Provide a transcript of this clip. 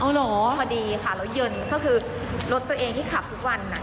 เอาเหรอพอดีค่ะแล้วเย็นก็คือรถตัวเองที่ขับทุกวัน